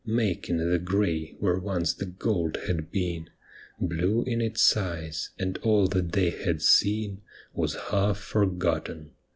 Making the grey where once the gold had been, Blew in its eyes, and all that they had seen Was half forgotten.